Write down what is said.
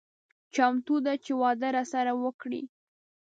چمتو ده چې واده راسره وکړي.